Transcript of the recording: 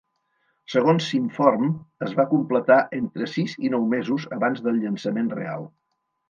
Segons s'inform, es va completar entre sis i nou mesos abans del llançament real.